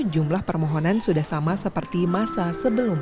jumlah permohonan sudah sama seperti masa sebelumnya